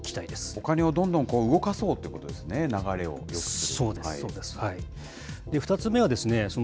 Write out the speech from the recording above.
お金をどんどん動かそうということですね、流れをよくする。